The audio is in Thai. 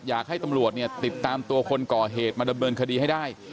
อยากให้ตำรวจเนี่ยติดตามตัวคนก่อเหตุมาดำเนินคดีให้ได้